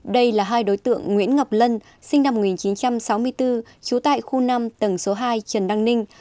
đây là hai đối tượng nguyễn ngọc lân sinh năm một nghìn chín trăm sáu mươi bốn trú tại khu năm tầng số hai trần đăng ninh